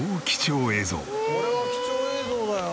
これは貴重映像だよ。